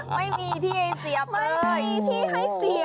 ไม่มีที่ให้เสียบเลยโอ้โฮไม่มีที่ให้เสียบ